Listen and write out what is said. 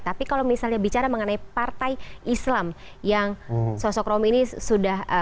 tapi kalau misalnya bicara mengenai partai islam yang sosok romi ini sudah